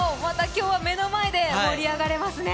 今日は目の前で盛り上がれますね！